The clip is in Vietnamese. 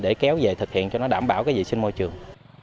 để kéo về thực hiện cho nó đảm bảo cái vệ sinh môi trường